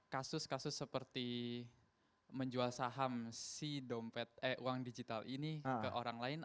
kasus kasus seperti menjual saham si dompet eh uang digital ini ke orang lain